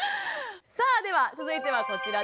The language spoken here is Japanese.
さあでは続いてはこちらです。